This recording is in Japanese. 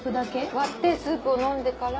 割ってスープを飲んでから。